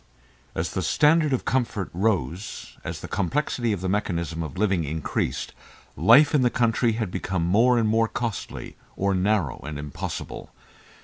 And as the standard of comfort rose, as the complexity of the mechanism of living increased, life in the country had become more and more costly, or narrow and impossible.